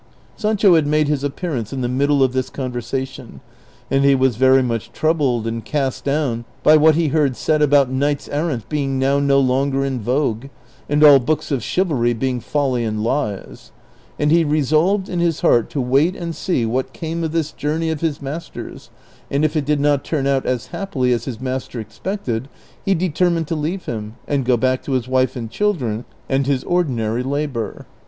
Sancho had made his appearance in the middle of this (con versation, and he was very much troul)led and cast down by what he heard said about knights errant being now no longer in vogue, and all books of chivalry being folly and lies ; and he resolved in his heart to wait and see what came of this journey of his master's, and if it did not turn out as happily as his master expected, he determined to leave him and go back to his wife and children and his ordinary labor.